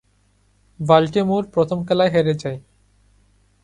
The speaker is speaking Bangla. বাল্টিমোর প্রথম খেলায় হেরে যায়।